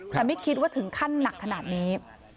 แต่ไม่คิดว่าถึงขั้นหนักขนาดนี้